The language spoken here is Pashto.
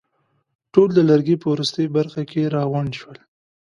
ټول د لرګي په وروستۍ برخه کې راغونډ شول.